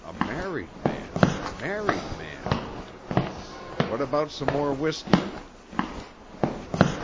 a married man ... married man...." What about some more whisky?'